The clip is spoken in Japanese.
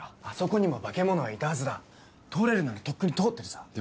あそこにも化け物はいたはずだ通れるならとっくに通ってるさ。